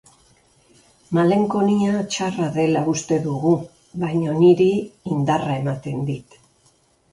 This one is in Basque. Malenkonia txarra dela uste dugu baina niri indarra ematen dit.